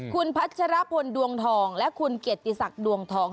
คุณพัชรพลดวงทองและคุณเกียรติศักดิ์ดวงทอง